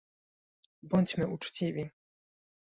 Bądźmy uczciwi